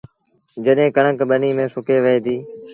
جڏهيݩ ڪڻڪ ٻنيٚ ميݩ سُڪي وهي ديٚ